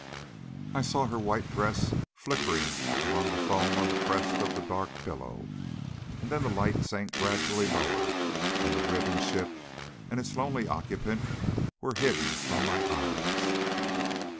I saw her white dress flickering among the foam on the crest of the dark billow, and then the light sank gradually lower, and the riven ship and its lonely occupant were hidden from my eyes.